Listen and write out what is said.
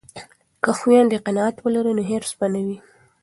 که خویندې قناعت ولري نو حرص به نه وي.